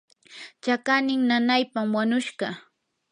chaqannin nanaypam wanushqa.